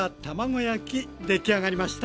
出来上がりました。